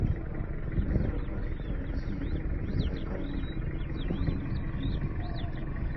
En cada hogar la encienden y esta calma el fenómeno climático.